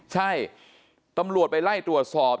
ใช่ตำรวจไปไล่ตรวจสอบ